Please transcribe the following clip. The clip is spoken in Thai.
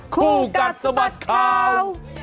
คู่กัดสะบัดข่าว